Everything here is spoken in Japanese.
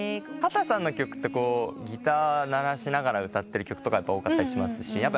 秦さんの曲ってギター鳴らしながら歌ってる曲とか多かったりしますし。